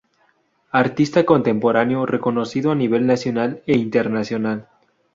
Artista contemporáneo reconocido a nivel nacional e internacional.